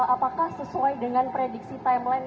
apakah sesuai dengan prediksi timeline